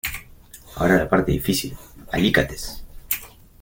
Ahora la parte difícil. ¡ Alicates!